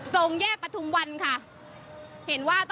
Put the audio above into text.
ตรงแยกประทุมวันค่ะ